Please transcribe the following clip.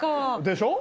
でしょ？